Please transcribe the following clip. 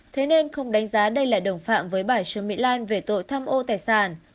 thế nên không đánh giá đây là đồng phạm với bà trương mỹ lan về tội tham ô tài sản